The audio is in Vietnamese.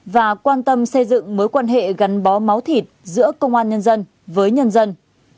và quan tâm xây dựng mối quan hệ gắn bó máu thịt giữa công an nhân dân với nhân dân